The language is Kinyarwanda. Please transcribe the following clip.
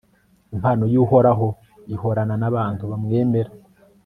impano y'uhoraho ihorana n'abantu bamwemera